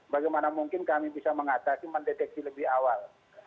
bagaimana mungkin kami bisa mengatasi mendeteksi lebih awal